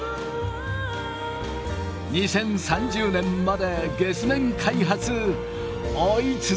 ２０３０年まで月面開発追い続けましょう！